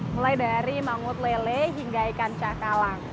mulai dari mangut lele hingga ikan cakalang